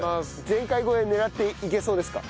前回超え狙っていけそうですか？